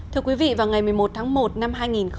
thưa quý vị vào ngày một mươi một tháng một năm hai nghìn bảy